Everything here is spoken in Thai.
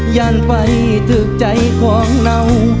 ย้านไปถึกใจของเหนา